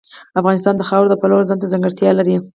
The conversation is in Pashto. افغانستان د خاوره د پلوه ځانته ځانګړتیا لري.